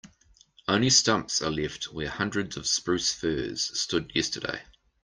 Only stumps are left where hundreds of spruce firs stood yesterday.